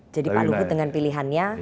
jadi pak luhut dengan pilihannya